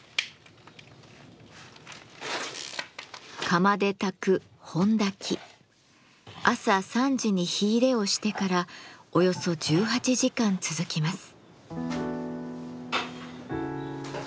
釜で焚く朝３時に火入れをしてからおよそ１８時間続きます。